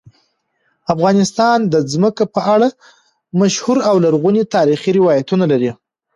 افغانستان د ځمکه په اړه مشهور او لرغوني تاریخی روایتونه لري.